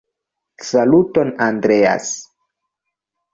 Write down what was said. Saluton, Andreas!